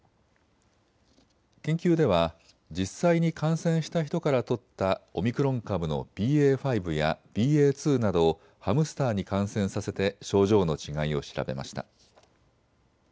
研究では実際に感染した人から採ったオミクロン株のＢＡ．５やＢＡ．２などをハムスターに感染させて症状の違いを調べました。